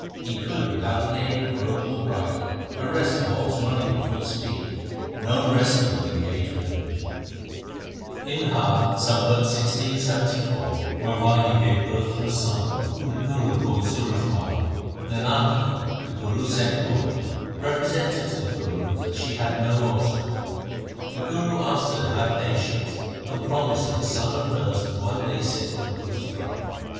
He could without the aid of rope or bridle arrest a horse running at full speed. No wrestler would engage with him. 1 About 8oo pounds avoirdupois. LIFE OF GURU HAR GOBIND 67 In Har, Sambat 1674, Marwahi gave birth to a son whom the Guru called Suraj Mai. Nanaki, the Guru's second wife, represented to the Guru that she had no offspring. The Guru asked her to have patience and promised that a son of hers should one day sit on the Guru's throne.